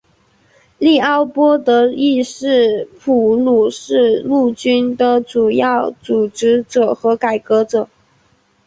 利奥波德亦是普鲁士陆军的主要组织者和改革者。